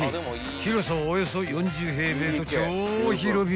［広さはおよそ４０平米と超広々］